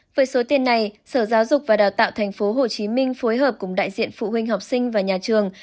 với số tiền này sở giáo dục và đào tạo tp hcm phối hợp cùng đại diện phụ huynh học sinh và nhà trường